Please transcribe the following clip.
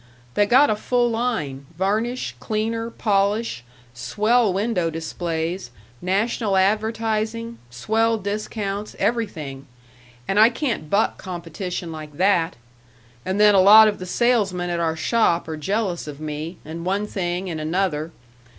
They got a full line, varnish, cleaner, polish, swell window displays, national advertising, swell discounts everything; and I can't buck competition like that. And then a lot of the salesmen at our shop are jealous of me, and one thing and another.